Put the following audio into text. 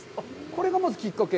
これがまずきっかけ？